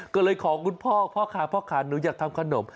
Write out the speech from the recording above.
ก็เลยของคุณพ่อพ่อขาหนูอยากทำขนม